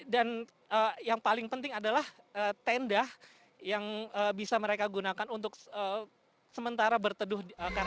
dan yang paling penting adalah tenda yang bisa mereka gunakan untuk sementara berteduh